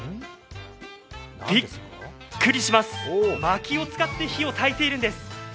びっくりします、まきを使って火をたいているんです。